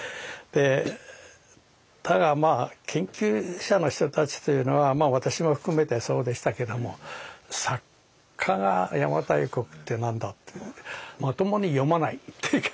ただまあ研究者の人たちというのは私も含めてそうでしたけども作家が邪馬台国って何だっていうのでまともに読まない。